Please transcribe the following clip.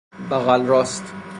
بغل راست